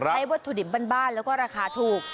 วัตถุดิบบ้านแล้วก็ราคาถูก